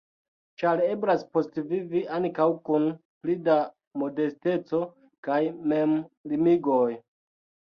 Ĉar eblas postvivi ankaŭ kun pli da modesteco kaj memlimigoj.